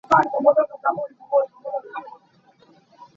Hlanlio ahcun bawi nih an nupi cawisanh nak ah khuang an cawi.